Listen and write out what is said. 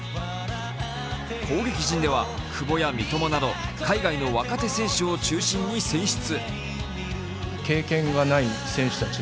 攻撃陣では久保や三笘など海外の若手選手を中心に選出。